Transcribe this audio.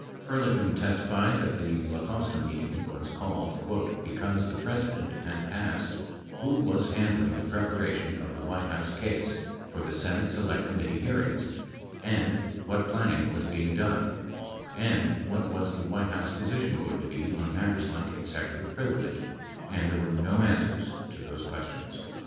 16 Ehrlichman testified that the La Costa meeting was called "because the President had asked who was handling the preparation of the White House case for the Senate Select Committee hearings, and what planning was being done, and what was the White House posi tion going to be on matters like executive privilege, and there were no answers to those questions."